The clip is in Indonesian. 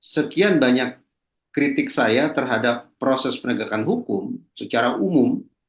sekian banyak kritik saya terhadap proses penegakan hukum secara umum